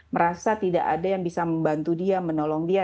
merasa tidak ada yang bisa membantu dia menolong dia